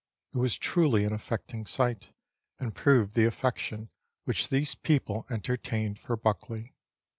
It was truly an affecting sight, and proved the affection which these people enter tained for Buckley.